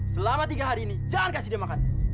selama tiga hari ini jangan kasih dia makan